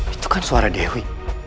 itu kan suara dewi